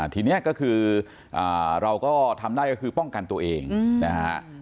ทีนี้ก็คือเราก็ทำได้ก็คือป้องกันตัวเองนะฮะ